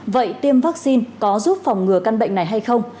vậy tiêm vaccine có giúp phòng ngừa căn bệnh này hay không